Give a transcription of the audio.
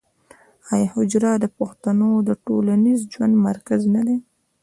آیا حجره د پښتنو د ټولنیز ژوند مرکز نه دی؟